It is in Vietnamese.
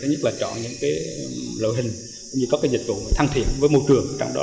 nhất là chọn những lội hình như các dịch vụ thân thiện với môi trường